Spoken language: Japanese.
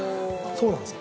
そうなんですよ。